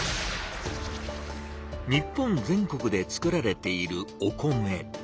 日本全国でつくられているお米。